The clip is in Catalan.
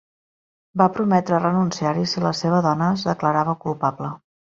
Va prometre renunciar-hi si la seva dona es declarava culpable.